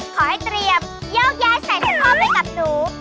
ขอให้เตรียมยกย้ายสัญลักษณ์พ่อไปกับหนู